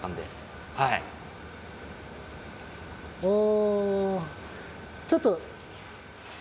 あちょっと。